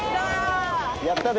やったで！